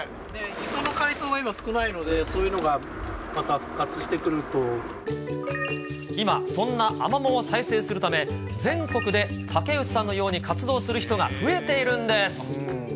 磯の海藻が今、少ないので、今、そんなアマモを再生するため、全国で竹内さんのように活動する人が増えているんです。